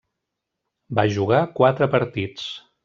Va jugar quatre partits.